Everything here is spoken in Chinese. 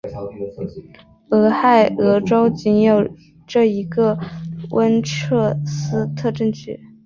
俄亥俄州仅有这一个温彻斯特镇区。